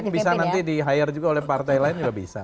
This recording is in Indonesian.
bisa nanti di hire juga oleh partai lain juga bisa